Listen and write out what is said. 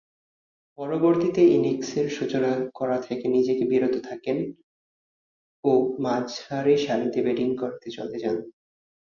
পরবর্তীতে ইনিংসের সূচনা করা থেকে নিজেকে বিরত থাকেন ও মাঝারিসারিতে ব্যাটিং করতে চলে যান।